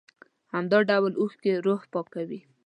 همدا ډول اوښکې روح پاکوي.